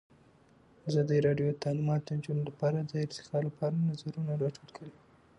ازادي راډیو د تعلیمات د نجونو لپاره د ارتقا لپاره نظرونه راټول کړي.